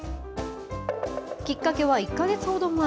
きっかけは１か月ほど前。